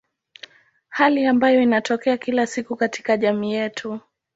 Hali ambayo inatokea kila siku katika jamii yetu.